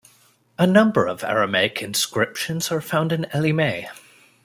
A number of Aramaic inscriptions are found in Elymais.